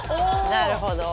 なるほど。